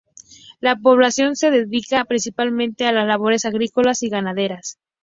La población se dedica, principalmente, a las labores agrícolas y ganaderas.